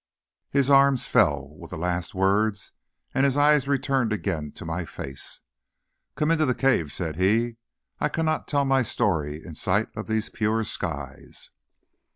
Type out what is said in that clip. His arms fell with the last words, and his eyes returned again to my face. "Come into the cave," said he. "I cannot tell my story in the sight of these pure skies."